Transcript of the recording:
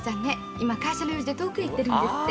今会社の用事で遠くへ行ってるんですって」